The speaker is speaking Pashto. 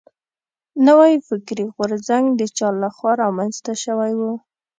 نوی فکري غورځنګ د چا له خوا را منځ ته شوی و.